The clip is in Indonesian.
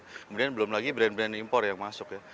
kemudian belum lagi brand brand impor yang masuk ya